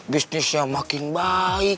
bisnisnya makin baik